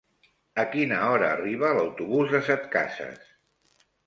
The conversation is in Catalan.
A quina hora arriba l'autobús de Setcases?